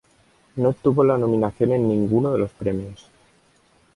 No obtuvo la nominación en ninguno de los premios.